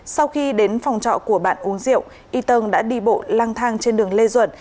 sau khi đến phòng trọ của bạn uống rượu y tân đã đi bộ lang thang trên đường lê duẩn